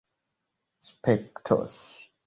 spektos